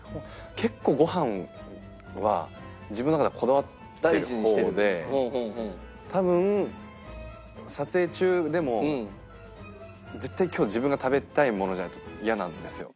結構ごはんは自分の中ではこだわってる方で多分撮影中でも絶対今日自分が食べたいものじゃないとイヤなんですよ。